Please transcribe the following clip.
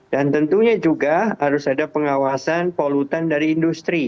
dan tentunya juga harus ada pengawasan polutan dari industri